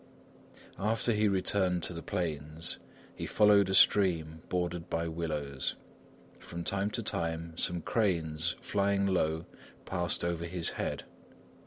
After he returned to the plains, he followed a stream bordered by willows. From time to time, some cranes, flying low, passed over his head.